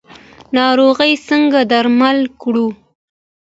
ناروغي څنګه درمل کړو؟